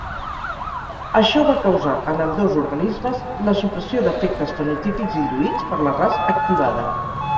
Això va causar, en ambdós organismes, la supressió d’efectes fenotípics induïts per la Ras activada.